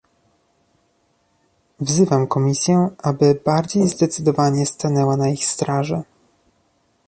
Wzywam Komisję, aby bardziej zdecydowanie stanęła na ich straży